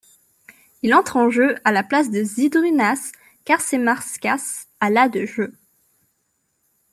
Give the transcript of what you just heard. Il entre en jeu à la place de Žydrūnas Karčemarskas à la de jeu.